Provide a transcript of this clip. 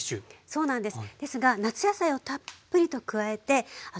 そうなんです。